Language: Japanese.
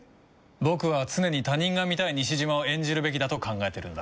僕は常に他人が見たい西島を演じるべきだと考えてるんだ。